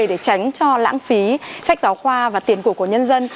để tránh cho những người dân